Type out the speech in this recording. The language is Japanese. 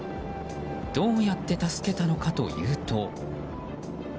どうやって助けたのかというと。